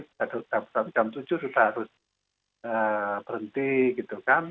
tapi jam tujuh sudah harus berhenti gitu kan